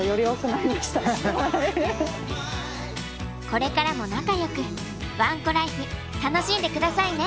これからも仲よくわんこライフ楽しんでくださいね。